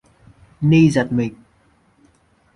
Ni giật mình